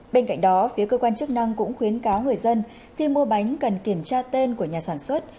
bên cạnh đó phía cơ quan chức năng cũng khuyến cáo người dân khi mua bánh cần kiểm tra tên của nhà sản xuất